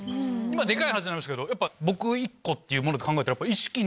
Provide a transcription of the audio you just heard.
今デカい話になりましたけどやっぱ僕１個っていうもので考えたら。